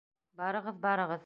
Барығыҙ, барығыҙ!